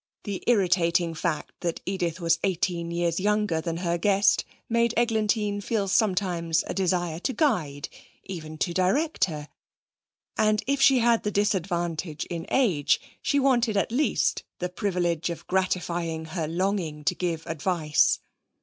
The irritating fact that Edith was eighteen years younger than her guest made Eglantine feel sometimes a desire to guide, even to direct her, and if she had the disadvantage in age she wanted at least the privilege of gratifying her longing to give advice.